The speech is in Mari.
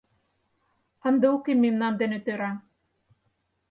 Ынде уке мемнан дене тӧра.